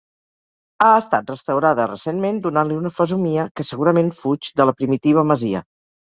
Ha estat restaurada recentment, donant-li una fesomia que segurament fuig de la primitiva masia.